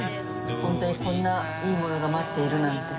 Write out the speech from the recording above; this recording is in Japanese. ホントにこんないいものが待っているなんて。